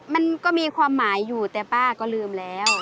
มันก็มีความหมายอยู่แต่ป้าก็ลืมแล้ว